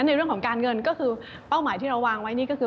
ในเรื่องของการเงินก็คือเป้าหมายที่เราวางไว้นี่ก็คือ